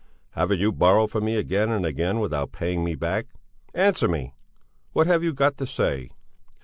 "Haven't you borrowed from me again and again without paying me back? Answer me! What have you got to say?"